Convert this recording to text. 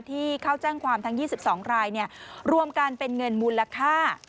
ที่เข้าแจ้งความทั้ง๒๒รายรวมกันเป็นเงินมูลค่า